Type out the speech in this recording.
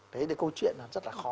đấy là câu chuyện rất là khó